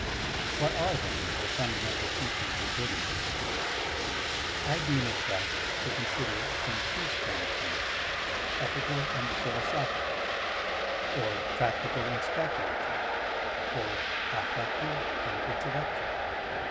What are, then, the fundamental teachings of Buddhism? I deem it best to consider it from two standpoints, ethical and philosophical, or practical and speculative, or affective and intel lectual.